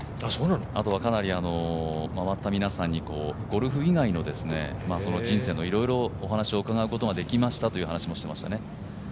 あとはかなり、回った皆さんにゴルフ以外の人生のいろいろお話を伺うことができましたという話もしていました。